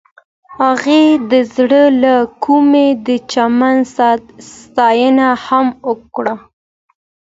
هغې د زړه له کومې د چمن ستاینه هم وکړه.